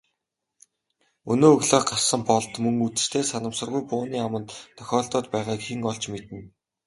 Өнөө өглөө гарсан Болд мөн үдэштээ санамсаргүй бууны аманд тохиолдоод байгааг хэн олж мэднэ.